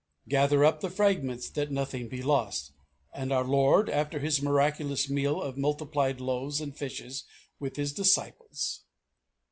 "Gather up the fragments that nothing be lost," said our Lord, after His miraculous meal of multiplied loaves and fishes with His disciples.